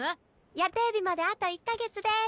予定日まであと１カ月です。